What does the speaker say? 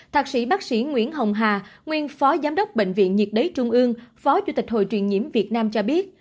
thạc sĩ bác sĩ nguyễn hồng hà nguyên phó giám đốc bệnh viện nhiệt đới trung ương phó chủ tịch hội truyền nhiễm việt nam cho biết